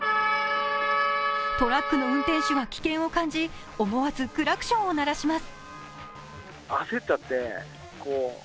トラックの運転手は危険を感じ、思わずクラクションを鳴らします。